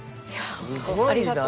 すごいな。